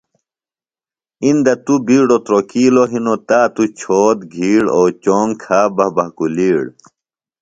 اِندہ توۡ بِیڈوۡ تروۡکِیلوۡ ہنوۡ تا توۡ چھوت، گِھیڑ، اوۡ چونگ کھا بہ بھکُلِیڑ